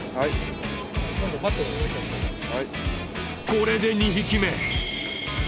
これで２匹目！